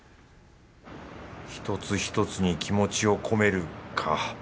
一つひとつに気持ちを込めるか。